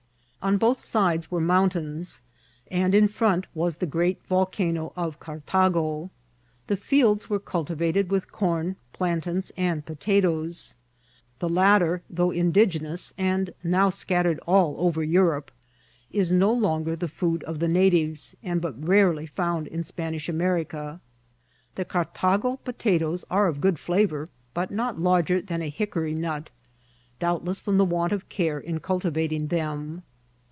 On both sides were mount* sins, and in front was the great V<dcano of Cartago. The fields were cultiyated with com, plantains, and po tatoes. The latter, though indigenous, and now scatter ed all over Europe, is no longer the food of the nadyesy and but rarely found in Spanish America. The Cartago potatoes are of good flavour, but not larger than a hick ory nut, doubtless frcnn the want of care in cultiyatiog them.